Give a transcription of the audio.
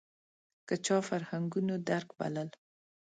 که چا فرهنګونو درک بلل